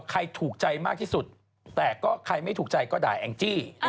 ถูกใจมากที่สุดแต่ก็ใครไม่ถูกใจก็ด่าแองจี้